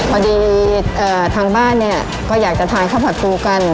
พอดีทางบ้านเนี่ยก็อยากจะทานข้าวผัดปูกัน